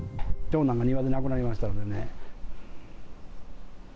長男が庭で亡くなりましたんでね。